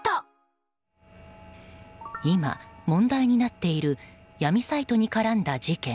今、問題になっている闇サイトに絡んだ事件。